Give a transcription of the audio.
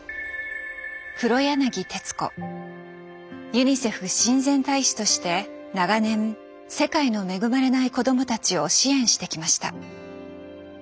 ユニセフ親善大使として長年世界の恵まれない子供たちを支援してきました。